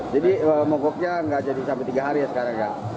jadi mogoknya nggak jadi sampai tiga hari sekarang ya